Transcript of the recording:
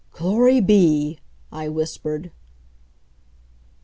"Glory be!" I whispered.